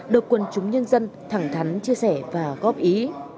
được quân chúng nhân dân thẳng thắn chia sẻ và góp ý